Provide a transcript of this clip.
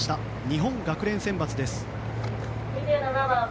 日本学連選抜です。